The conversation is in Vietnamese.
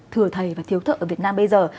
thừa thầy và thiếu thợ ở việt nam bây giờ